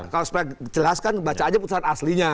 kalau supaya jelaskan baca aja putusan aslinya